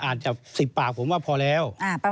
อาจจะ๑๐ปากผมว่าพอแล้ว